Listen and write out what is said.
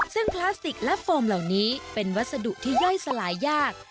ซึ่งพลาสติกและโฟมเหล่านี้เป็นวัสดุที่ย่อยสลายยาก